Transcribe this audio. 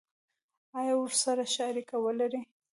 آیا او ورسره ښه اړیکه ولري؟